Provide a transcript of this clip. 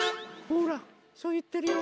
ほらそういってるよ。